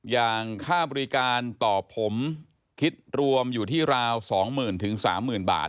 อย่างค่าบริการต่อผมคิดรวมอยู่ที่ราวสองหมื่นถึงสามหมื่นบาท